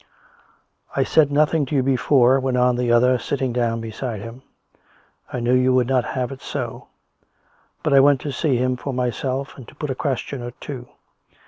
" I said nothing to you before," went on the other, sit ting down beside him. " I knew you would not have it so, but I went to see for myself and to put a question or two.